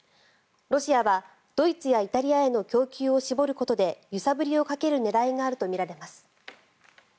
ロシアはドイツやイタリアへの供給を絞ることで揺さぶりをかける狙いがあるとみられます。